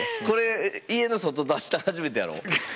これ家の外出したん初めてやろ？